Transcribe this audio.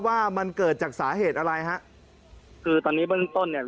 ว่ามันเกิดจากสาเหตุอะไรฮะคือตอนนี้เบื้องต้นเนี่ย